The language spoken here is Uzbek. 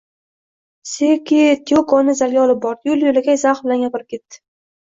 Seki Tiyokoni zalga olib bordi, yo`l-yo`lakay zavq bilan gapirib ketdi